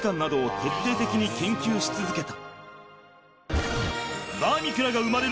徹底的に研究し続けた。